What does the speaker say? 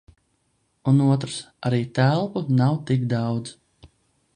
Un otrs - arī telpu nav tik daudz...